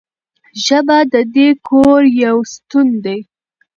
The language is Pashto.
ژبه د دې کور یو ستون دی.